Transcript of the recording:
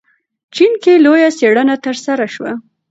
چین کې لویه څېړنه ترسره شوه.